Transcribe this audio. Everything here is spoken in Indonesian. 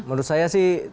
menurut saya sih